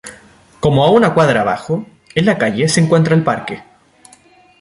Como a una cuadra abajo, en la calle, se encuentra el parque.